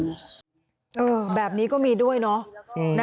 คือมีแบบนี้ก็มีด้วยนะ